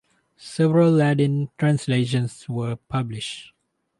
Several Latin translations were published.